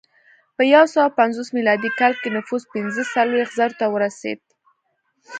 په یو سوه پنځوس میلادي کال کې نفوس پنځه څلوېښت زرو ته ورسېد